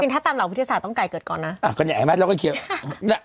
จริงถ้าตามเหล่าพิธีศาสตร์ต้องไก่เกิดก่อนนะ